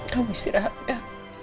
kamu istirahat ya